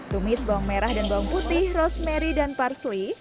tumis bawang merah dan bawang putih rosemary dan parsley